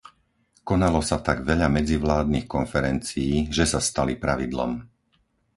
Konalo sa tak veľa medzivládnych konferencií, že sa stali pravidlom.